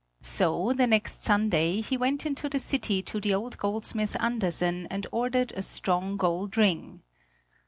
So the next Sunday he went into the city to the old goldsmith Andersen and ordered a strong gold ring.